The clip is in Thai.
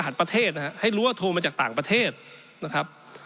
ประเทศนะครับให้รู้ว่าโทรมาจากต่างประเทศนะครับ